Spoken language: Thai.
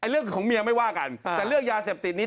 เรื่องของเมียไม่ว่ากันแต่เรื่องยาเสพติดนี้